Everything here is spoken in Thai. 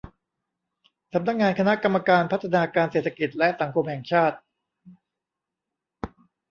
สำนักงานคณะกรรมการพัฒนาการเศรษฐกิจและสังคมแห่งชาติ